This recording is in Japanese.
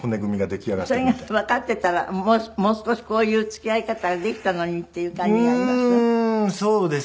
それがわかっていたらもう少しこういう付き合い方ができたのにっていう感じがあります？